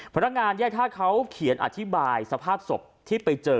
พนักงานแยกท่าเขาเขียนอธิบายสภาพศพที่ไปเจอ